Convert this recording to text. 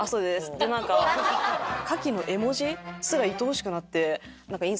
でなんか牡蠣の絵文字すらいとおしくなって。